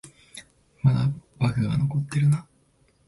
まだバグが残ってるな